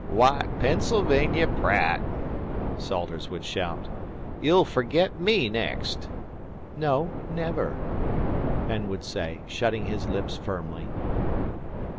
"Why, Pennsylvania Pratt," Salters would shout "You'll fergit me next!" "No never," Penn would say, shutting his lips firmly.